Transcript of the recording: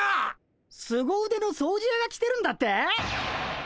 すご腕の掃除やが来てるんだって？